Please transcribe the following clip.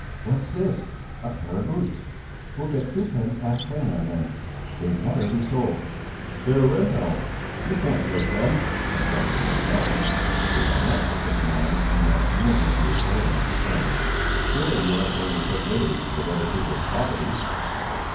"What's this? A pair of boots! We'll get twopence halfpenny on them; they'd better be sold." "They're Rehnhjelm's! You can't take them," objected Lundell, who had meant to put them on in the afternoon when he was going up to town. "Surely you aren't going to take liberties with other people's property!"